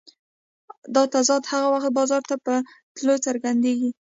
دا تضاد هغه وخت بازار ته په تلو څرګندېږي